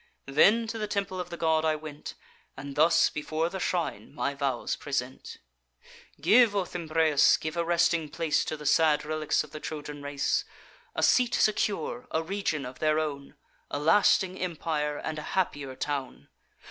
Then to the temple of the god I went, And thus, before the shrine, my vows present: 'Give, O Thymbraeus, give a resting place To the sad relics of the Trojan race; A seat secure, a region of their own, A lasting empire, and a happier town.